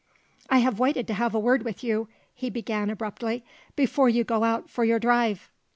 "I have waited to have a word with you," he began abruptly, "before you go out for your drive."